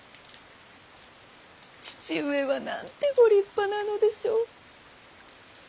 父上はなんてご立派なのでしょう。